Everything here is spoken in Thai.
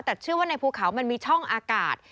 แต่เชื่อว่าในภูเขามันมีช่องอากาศ